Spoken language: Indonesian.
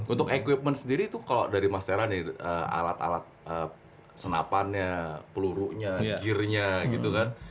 untuk equipment sendiri itu kalau dari mas tera nih alat alat senapannya pelurunya gearnya gitu kan